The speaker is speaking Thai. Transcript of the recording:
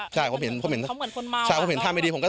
ใช่เขาเห็นใช่เขาเห็นท่าไม่ดีผมก็ถอย